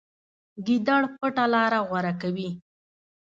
ګیدړ پټه لاره غوره کوي.